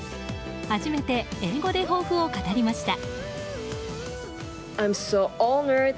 初めて英語で抱負を語りました。